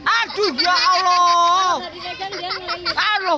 aduh ya allah